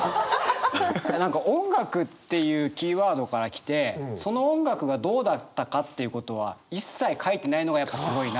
何か「音楽」っていうキーワードから来てその音楽がどうだったかっていうことは一切書いてないのがやっぱすごいな。